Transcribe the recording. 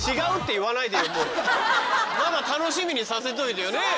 まだ楽しみにさせといてよねえ。